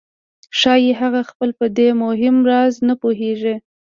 ښایي هغه خلک په دې مهم راز نه پوهېږي